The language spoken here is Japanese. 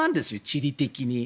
地理的に。